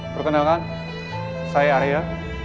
perkenalkan saya arya